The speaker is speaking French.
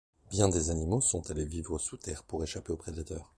Bien des animaux sont allés vivre sous terre pour échapper aux prédateurs.